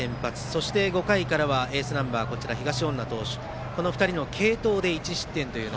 そして５回からはエースナンバー東恩納投手とこの２人の継投で１失点。